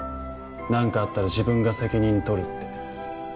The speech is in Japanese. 何かあったら自分が責任とるって